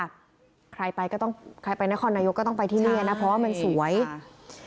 ใครไปก็ต้องใครไปนครนายกก็ต้องไปที่นี่อ่ะนะเพราะว่ามันสวยอ่า